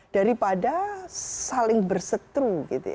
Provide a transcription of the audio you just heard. daripada saling bersetru